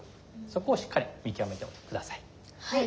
そこをしっかり見極めておいて下さい。